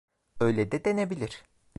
Öyle de denebilir.